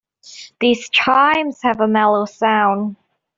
These chimes have a mellow sound.